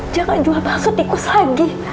jangan jual bakso tikus lagi